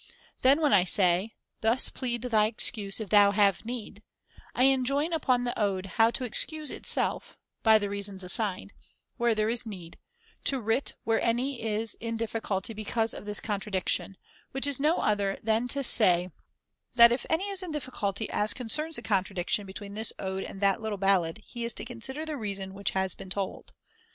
Then when I say : c. Thus plead thy excuse if thou have needy I enjoin upon the ode how to excuse itself (by the reasons assigned) , where there is need, to wit where any is in difficulty because of this contra diction ; which is no other than to say that if any is in difficulty as concerns the contradiction between this ode and that little ballad he is to consider the reason [^50] which has been told.